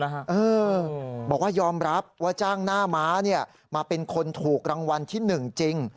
นะฮะเออบอกว่ายอมรับว่าจ้างหน้าม้าเนี่ยมาเป็นคนถูกรางวัลที่หนึ่งจริง